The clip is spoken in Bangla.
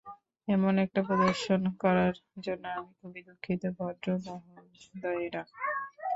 এমন একটা প্রদর্শন করার জন্য আমি খুবই দুঃখিত, ভদ্রমহোদয়েরা।